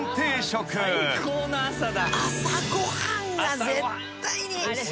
朝ご飯が絶対に。